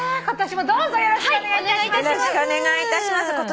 今年もどうぞよろしくお願いいたします。